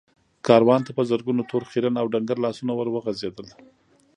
کاروان ته په زرګونو تور، خيرن او ډنګر لاسونه ور وغځېدل.